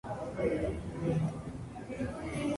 Fue incluido en en el primer equipo All-American.